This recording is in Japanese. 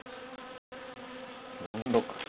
４六金。